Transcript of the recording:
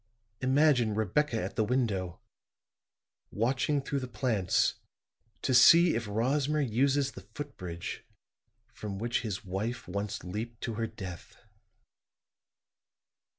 Imagine Rebecca at the window, watching through the plants to see if Rosmer uses the footbridge from which his wife once leaped to her death."